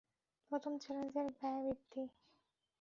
প্রথম চ্যালেঞ্জ এর ব্যয় বৃদ্ধি।